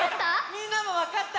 みんなもわかった？